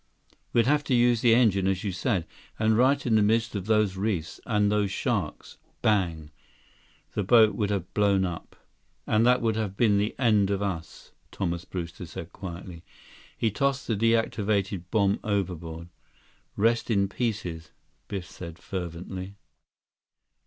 "We'd have to use the engine, as you said. And right in the midst of those reefs, and those sharks, bang! The boat would have blown up—" "And that would have been the end of us," Thomas Brewster said quietly. He tossed the deactivated bomb overboard. "Rest in pieces," Biff said fervently.